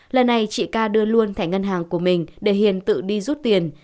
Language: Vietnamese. lần này chị ca đưa luôn thẻ ngân hàng của mình để hiền tự đi rút tiền